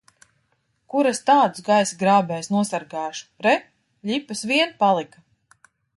Kur es tādus gaisa grābējus nosargāšu! Re, ļipas vien palika!